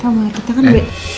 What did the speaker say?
kamu ngeliat kita kan be